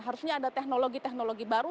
harusnya ada teknologi teknologi baru